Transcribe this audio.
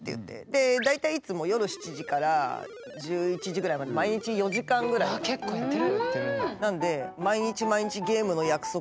で大体いつも夜７時から１１時ぐらいまで毎日４時間ぐらい。わ結構やってる！